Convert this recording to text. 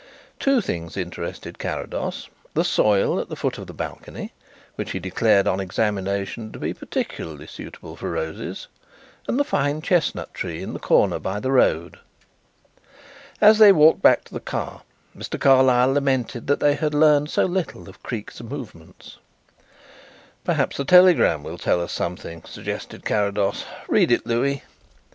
Two things interested Carrados: the soil at the foot of the balcony, which he declared on examination to be particularly suitable for roses, and the fine chestnut tree in the corner by the road. As they walked back to the car Mr. Carlyle lamented that they had learned so little of Creake's movements. "Perhaps the telegram will tell us something," suggested Carrados. "Read it, Louis."